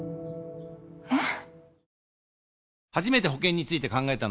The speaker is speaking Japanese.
えっ？